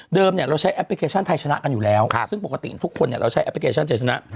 เราใช้แอปพลิเคชันไทยชนะกันอยู่แล้วซึ่งปกติทุกคนเราใช้แอปพลิเคชันเจชนะ